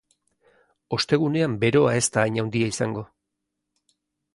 Ostegunean beroa ez da hain handia izango.